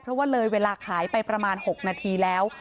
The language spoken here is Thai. เพราะว่าเลยเวลาขายไปประมาณ๖นาทีแล้ว